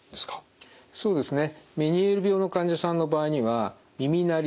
そうですね。